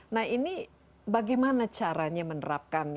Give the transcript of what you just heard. nah ini bagaimana caranya menerapkan